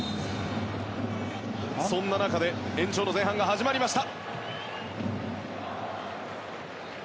そんな中で延長の前半が始まりました。